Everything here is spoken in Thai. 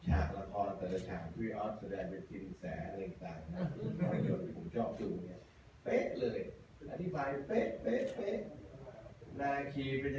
ชาติละครแต่ละชาติพี่อ๊อตแสดงแหวไปกินแสเดี๋ยวผมกลับไปกลับมา